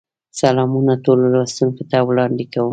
سلامونه ټولو لوستونکو ته وړاندې کوم.